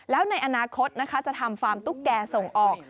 แล้วในอนาคตนะคะจะทำฟาร์มตุ๊กแก่ส่งออก